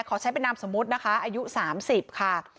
ขอใช้เป็นนามสมมุตินะคะอายุ๓๐ค่ะ